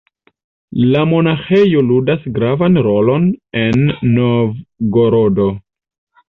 La monaĥejo ludas gravan rolon en Novgorodo.